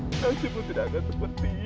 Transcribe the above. hai kasih berpindahkan seperti ini bayar